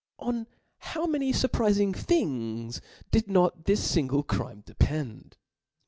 On how many fur Chap. n. prizing things did not this fingle crime depend